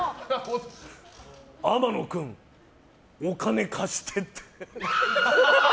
天野君、お金貸してって。